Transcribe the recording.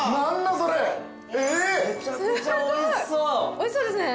おいしそうですね。